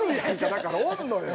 だからおるのよ。